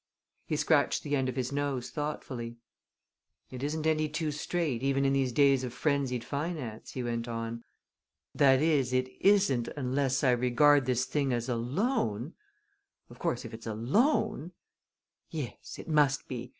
He scratched the end of his nose thoughtfully. "It isn't any too straight, even in these days of frenzied finance," he went on; "that is, it isn't unless I regard this thing as a loan! Of course if it's a loan yes, it must be.